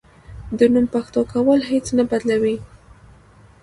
د نوم پښتو کول هیڅ نه بدلوي.